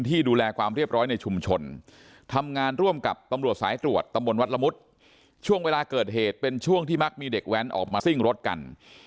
ตลวจตัมรวัตรรมุฒิช่วงเวลาเกิดเหตุเป็นช่วงที่มากมีเด็กแว้นออกมาซิ่งรถกัน